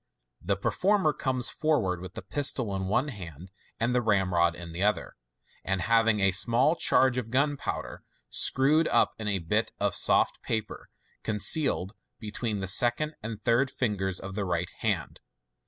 The performer comes forward with the pistol in one hand and the ramrod in the other, and having a small charge of gunpowder, screw( d np in a bit of soft paper, concealed between the second and third ringers of his right hand.